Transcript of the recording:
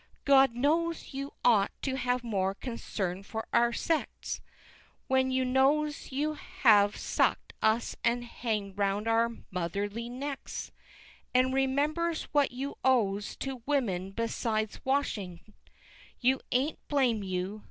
God nose you oght to have more Concern for our Sects, When you nose you have suck'd us and hanged round our Mutherly necks, And remembers what you Owes to Wommen Besides washing You aint, blame you!